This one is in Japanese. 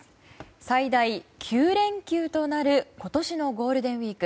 最大９連休となる今年のゴールデンウィーク。